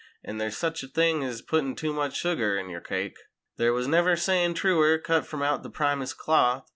An' there's sich a thing ez puttin' too much sugar in yer cake— There wuz never sayin' truer, cut from out the primest cloth.